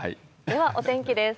では、お天気です。